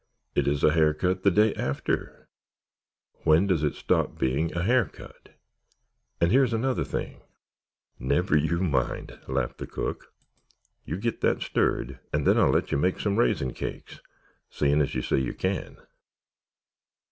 It is a hair cut the day after? When does it stop being a hair cut? And here's another thing——" "Never you mind," laughed the cook. "You git that stirred and then I'll let you make some raisin cakes—seein' as you say you can."